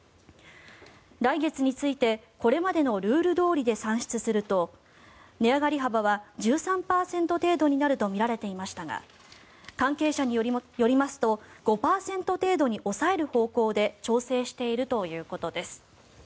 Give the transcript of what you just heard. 来月についてこれまでのルールどおりで算出すると値上がり幅は１３％程度になるとみられていましたが関係者によりますと５％程度に抑える方向で調整しているということです。